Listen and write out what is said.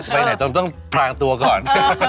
จะไปอี้นาจงต้องพลางตัวก่อน